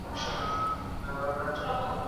أبو حاتم بن حيان رحمه الله هم دغه قول غوره کړی دی.